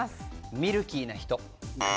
ミルキーな人。